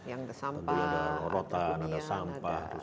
ada rota ada sampah